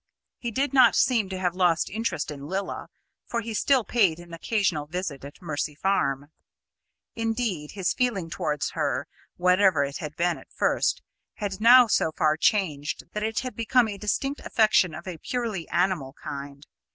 He did not seem to have lost interest in Lilla, for he still paid an occasional visit at Mercy Farm. Indeed, his feeling towards her, whatever it had been at first, had now so far changed that it had become a distinct affection of a purely animal kind.